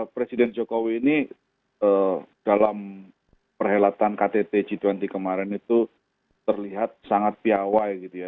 presiden jokowi ini dalam perhelatan ktt g dua puluh kemarin itu terlihat sangat piawai gitu ya